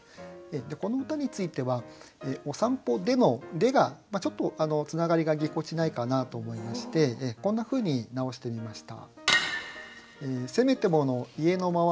この歌については「お散歩で」の「で」がちょっとつながりがぎこちないかなと思いましてこんなふうに直してみました。